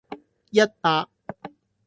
一百